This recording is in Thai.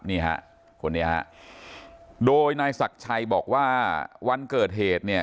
นี่ฮะคนนี้ฮะโดยนายศักดิ์ชัยบอกว่าวันเกิดเหตุเนี่ย